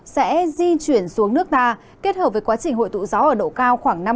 sẽ di chuyển xuống nước ta kết hợp với quá trình hội tụ gió ở độ cao khoảng năm m